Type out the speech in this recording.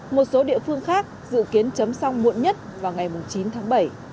một số địa phương khác dự kiến chấm xong muộn nhất vào ngày chín tháng bảy